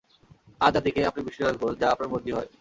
আদ জাতিকে আপনি বৃষ্টি দান করুন, যা আপনার মর্জি হয়।